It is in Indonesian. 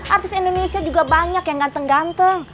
artis indonesia juga banyak yang ganteng ganteng